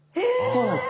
そうなんです。